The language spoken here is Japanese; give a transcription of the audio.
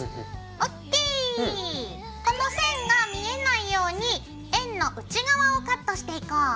この線が見えないように円の内側をカットしていこう。